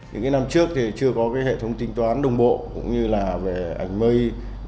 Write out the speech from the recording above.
những năm trước thì chưa có cái hệ thống tính toán đồng bộ cũng như là về ảnh mây